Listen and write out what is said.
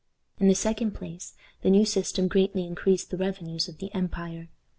In the second place, the new system greatly increased the revenues of the empire.